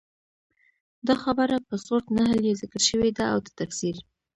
دا خبره په سورت نحل کي ذکر شوي ده، او د تفسير